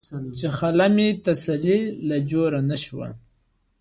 چې خله مې تسلۍ له جوړه نۀ شوه ـ